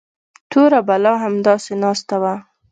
توره بلا همداسې ناسته وه.